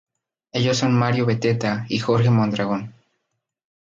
Ellos son Mario Beteta y Jorge Mondragón.